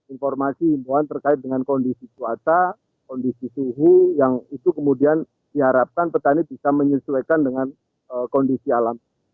informasi himbuan terkait dengan kondisi cuaca kondisi suhu yang itu kemudian diharapkan petani bisa menyesuaikan dengan kondisi alam